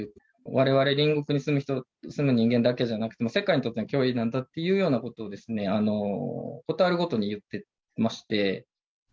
われわれ隣国に住む人間だけじゃなくて、世界にとっての脅威なんだというようなことを、事あるごとに言ってまして。